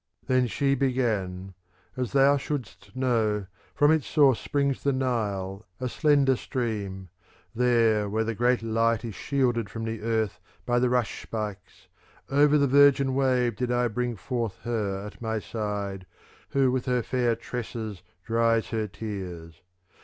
' Then she began :' As thou shouldst know, From its source springs the Nile, aslender stream : there, where the great light is shielded from the earth by the rush spikes, over the virgin wave did I bring forth her at my side who with her fair tresses dries her tears.